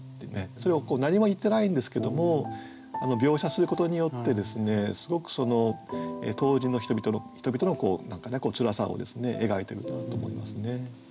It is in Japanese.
それを何も言ってないんですけども描写することによってですねすごく当時の人々のつらさを描いてるんだと思いますね。